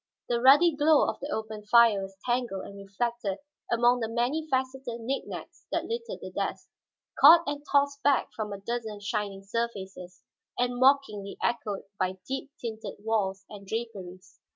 The ruddy glow of the open fire was tangled and reflected among the many faceted knickknacks that littered the desk, caught and tossed back from a dozen shining surfaces, and mockingly echoed by deep tinted walls and draperies.